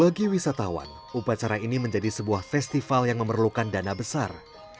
bagi wisatawan upacara ini menjadi sebuah festival yang memerlukan dana besar